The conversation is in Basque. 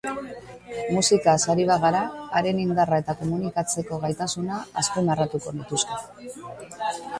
Musikaz ari bagara, haren indarra eta komunikatzeko gaitasuna azpimarratuko nituzke.